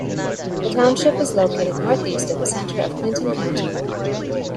The township is located northeast of the center of Clinton County.